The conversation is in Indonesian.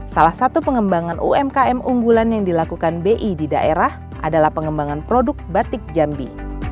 salah satu pengembangan umkm unggulan yang dilakukan bi di daerah adalah pengembangan produk batik jambi